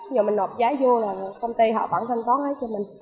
nhưng mình nộp giá vô là công ty họ bản thân có lấy cho mình